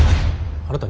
あなた